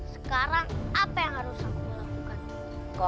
sekarang apa yang harus aku lakukan